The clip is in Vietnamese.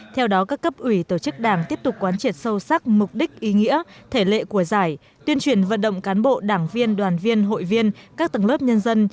theo đó các cấp ủy tổ chức đảng tiếp tục quán triệt sâu sắc mục đích ý nghĩa thể lệ của giải tuyên truyền vận động cán bộ đảng viên đoàn viên hội viên các tầng lớp nhân dân